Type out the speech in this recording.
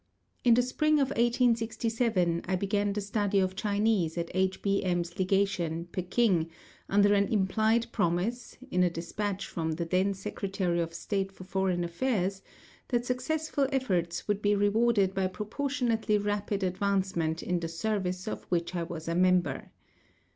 In the spring of 1867 I began the study of Chinese at H.B.M.'s Legation, Peking, under an implied promise, in a despatch from the then Secretary of State for Foreign Affairs, that successful efforts would be rewarded by proportionately rapid advancement in the service of which I was a member.